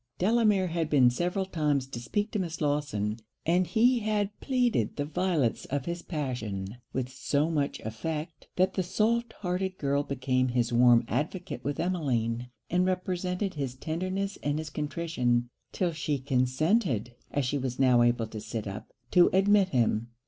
Delamere had been several times to speak to Miss Lawson; and he had pleaded the violence of his passion with so much effect, that the soft hearted girl became his warm advocate with Emmeline, and represented his tenderness and his contrition, 'till she consented (as she was now able to sit up) to admit him.